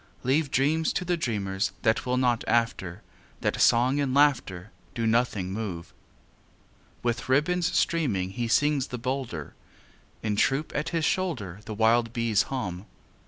Leave dreams to the dreamers That will not after, That song and laughter Do nothing move. With ribbons streaming He sings the bolder; In troop at his shoulder The wild bees hum.